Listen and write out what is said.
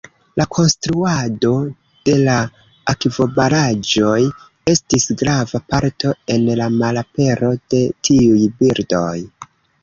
La konstruado de la akvobaraĵoj estis grava parto en la malapero de tiuj birdoj.